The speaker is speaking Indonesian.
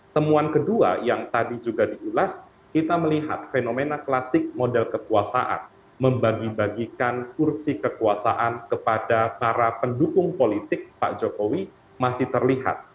temuan kedua yang tadi juga diulas kita melihat fenomena klasik model kekuasaan membagi bagikan kursi kekuasaan kepada para pendukung politik pak jokowi masih terlihat